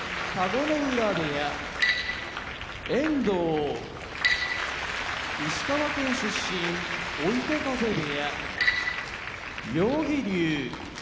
浦部屋遠藤石川県出身追手風部屋妙義龍